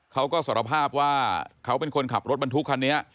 เขาก็สารภาพว่าเขาเป็นคนขับรถบรรทุกคันนี้